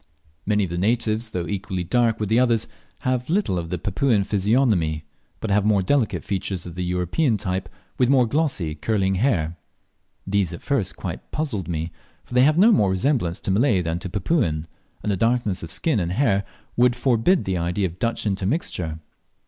Many of the natives, though equally dark with the others, have little of the Papuan physiognomy, but have more delicate features of the European type, with more glossy, curling hair: These at first quite puzzled me, for they have no more resemblance to Malay than to Papuan, and the darkness of skin and hair would forbid the idea of Dutch intermixture.